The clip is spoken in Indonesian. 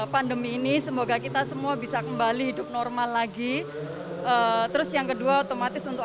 pandemi ini semoga kita semua bisa kembali hidup normal lagi terus yang kedua otomatis untuk